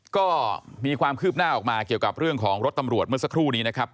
ก็มีความคืบหน้าออกมาเกี่ยวกับเรื่องของรถตำรวจเมื่อสักครู่นี้นะครับ